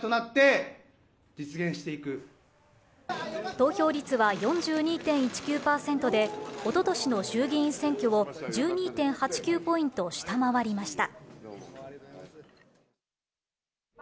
投票率は４２．１９％で、おととしの衆議院選挙を１２．８９ポイント下回りました。